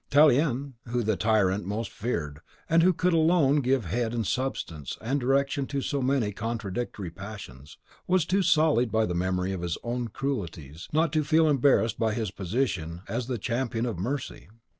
Tallien, whom the tyrant most feared, and who alone could give head and substance and direction to so many contradictory passions, was too sullied by the memory of his own cruelties not to feel embarrassed by his position as the champion of mercy.